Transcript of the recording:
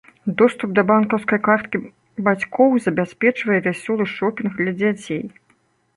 Доступ да банкаўскай карткі бацькоў забяспечвае вясёлы шопінг для дзяцей.